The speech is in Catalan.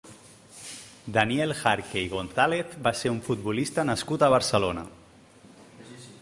Daniel Jarque i González va ser un futbolista nascut a Barcelona.